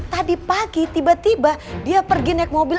tadi pagi tiba tiba dia pergi naik mobil